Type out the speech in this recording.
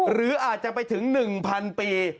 หรืออาจจะไปถึง๑๐๐ปี